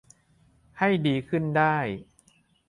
ให้ดีขึ้นได้